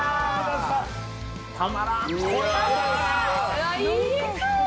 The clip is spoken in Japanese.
うわいい香り！